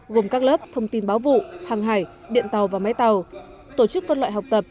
gồm các lớp thông tin báo vụ hàng hải điện tàu và máy tàu tổ chức phân loại học tập